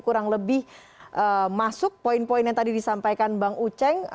kurang lebih masuk poin poin yang tadi disampaikan bang uceng